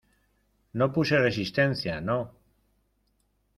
no opuse resistencia. ¡ no!